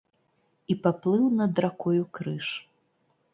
І паплыў над ракою крыж.